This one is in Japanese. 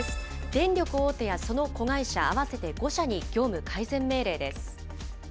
電力大手やその子会社、合わせて５社に業務改善命令です。